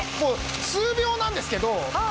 数秒なんですけど。